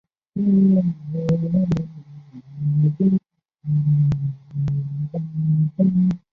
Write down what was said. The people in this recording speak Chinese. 鼹形田鼠属等数种哺乳动物。